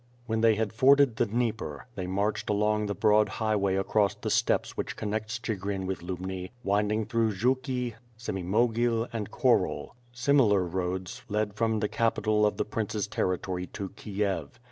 When they had forded the Dnieper, they marched along the broad highway across the steppes which connects Chigrin with Lubni, wind ing through Juki, Semimogil and Khorol. Similar roads led from the capital of the Prince's territory to Kiev.